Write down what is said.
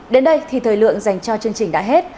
đến đây thì thời lượng dành cho chương trình đã hết